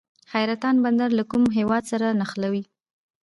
حیرتان بندر له کوم هیواد سره نښلوي؟